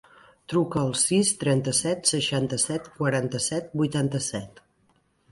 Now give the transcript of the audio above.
Truca al sis, trenta-set, seixanta-set, quaranta-set, vuitanta-set.